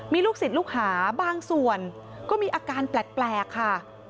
มีลูกศิษย์ลูกหาบางส่วนก็มีอาการแปลกค่ะ